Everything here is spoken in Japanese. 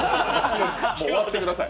終わってください。